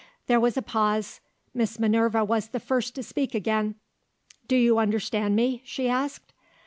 There was a pause. Miss Minerva was the first to speak again. "Do you understand me?" she asked.